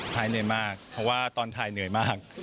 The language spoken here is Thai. เหนื่อยมากเพราะว่าตอนถ่ายเหนื่อยมาก